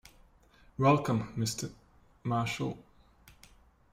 Welcome Mr. Marshall!